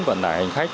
vận tải hành khách